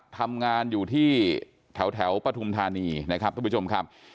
ทำงานอยู่ที่แถวปฐุมธานีนะครับทุกผู้ชมครับ